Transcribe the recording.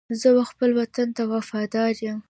زه و خپل وطن ته وفاداره یم.